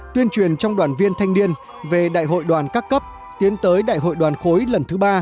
tuyên truyền trong đoàn viên thanh niên về đại hội đoàn các cấp tiến tới đại hội đoàn khối lần thứ ba